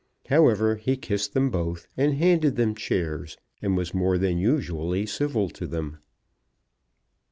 However, he kissed them both, and handed them chairs, and was more than usually civil to them.